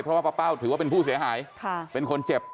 เพราะว่าป้าเป้าถือว่าเป็นผู้เสียหายเป็นคนเจ็บ